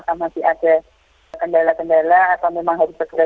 kalau tidak ada kendala kendala kita akan berusaha